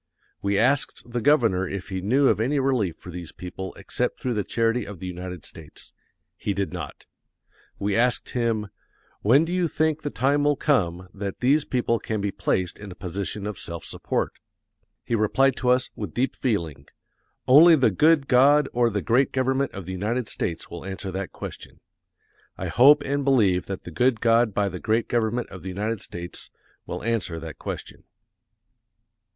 We asked the governor if he knew of any relief for these people except through the charity of the United States. He did not. We asked him, "When do you think the time will come that these people can be placed in a position of self support?" He replied to us, with deep feeling, "Only the good God or the great government of the United States will answer that question." I hope and believe that the good God by the great government of the United States will answer that question.